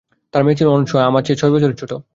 তাঁর মেয়ে ছিল অনসূয়া, আমার চেয়ে ছয় বছরের ছোটো।